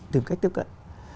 tìm cách tiếp cận